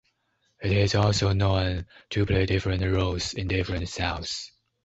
It is also known to play different roles in different cells.